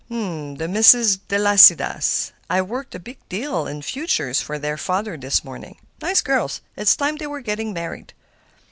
"'The Misses Delasidas.' I worked a big deal in futures for their father this morning; nice girls; it's time they were getting married.